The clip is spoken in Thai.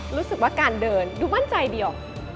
รู้สึกว่าการเดินดูมั่นใจเดียว